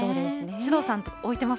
首藤さん、置いてます。